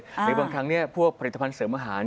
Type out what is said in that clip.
หรือบางครั้งพวกผลิตภัณฑ์เสริมอาหาร